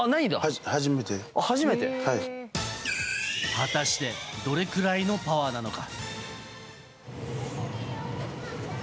果たしてどれくらいのパワーなのか。